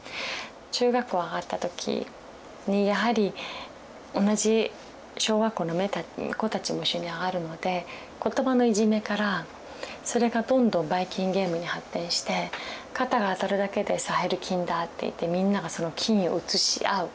中学校上がった時にやはり同じ小学校の子たちも一緒に上がるので言葉のいじめからそれがどんどんバイ菌ゲームに発展して肩が当たるだけで「サヘル菌だ」って言ってみんながその菌を移し合う。